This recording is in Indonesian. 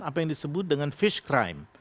apa yang disebut dengan fish crime